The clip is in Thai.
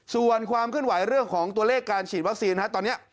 ส่วนความเคลื่อนไหวเรื่องของตัวเลขการฉีดวัคซีนตอนนี้